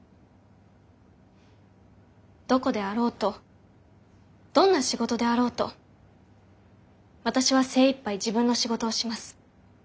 どこであろうとどんな仕事であろうと私は精いっぱい自分の仕事をします。